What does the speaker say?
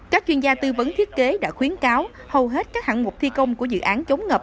các chuyên gia tư vấn thiết kế đã khuyến cáo hầu hết các hạng mục thi công của dự án chống ngập